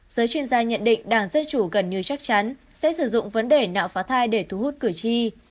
giới chuyên gia nhận định đảng dân chủ gần như chắc chắn sẽ sử dụng vấn đề nạo phá thai để thu hút cử tri